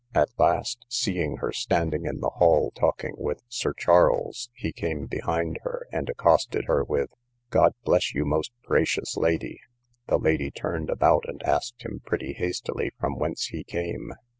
At last, seeing her standing in the hall talking with Sir Charles, he came behind her, and accosted her with—God bless you, most gracious lady. The lady turned about and asked him pretty hastily from whence he came?